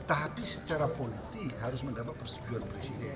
tapi secara politik harus mendapat persetujuan presiden